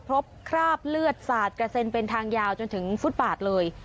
คราบเลือดสาดกระเซ็นเป็นทางยาวจนถึงฟุตบาทเลย